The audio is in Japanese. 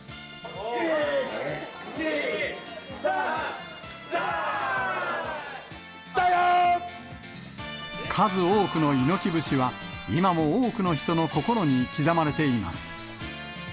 １、２、３、数多くの猪木節は、今も多くの人の心に刻まれています。